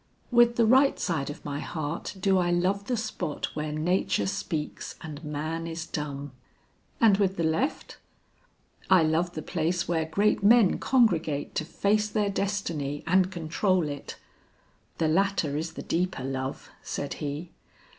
"With the right side of my heart do I love the spot where nature speaks and man is dumb." "And with the left?" "I love the place where great men congregate to face their destiny and control it." "The latter is the deeper love," said he.